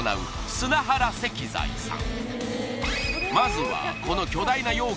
砂原石材さん